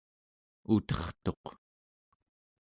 utertuq